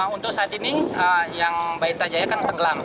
untuk saat ini yang baitta jaya kan tenggelam